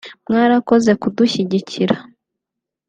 “Mwarakoze kudushyigikira